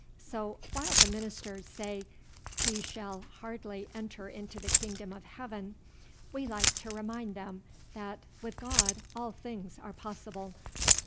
So while the ministers say he 'shall hardly enter into the kingdom of heaven,' we like to remind them that 'with God all things are possible.'